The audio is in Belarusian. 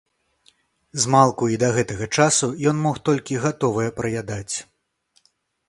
Змалку і да гэтага часу ён мог толькі гатовае праядаць.